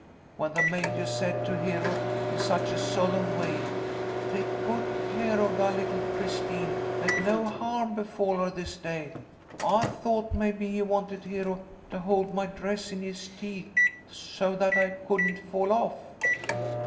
When the Majah said to Hero, in such a solemn way, 'Take good care of thy little Christine, let no harm befall her this day,' I thought maybe he wanted Hero to hold my dress in his teeth, so that I couldn't fall off."